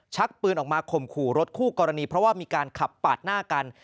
ชักปืนออกมาข่มขู่รถคู่กรณีเพราะว่ามีการขับปาดหน้ากัน